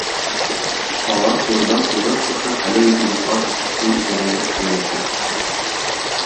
Алар турыдан-туры шушы хәләл ризыклар җитештерү үзәгендә эшләячәк.